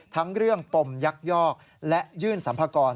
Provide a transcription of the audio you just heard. ทั้งเรื่องปมยักยอกและยื่นสัมภากร